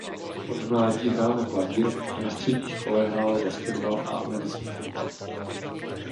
Od mládí hrál na klavír a na střední škole hrál basketbal a americký fotbal.